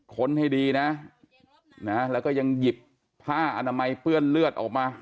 ้นให้ดีนะแล้วก็ยังหยิบผ้าอนามัยเปื้อนเลือดออกมา